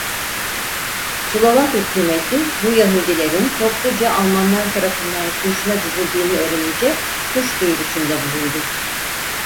Slovak hükûmeti bu Yahudilerin topluca Almanlar tarafından kurşuna dizildiğini öğrenince suç duyurusunda bulundu.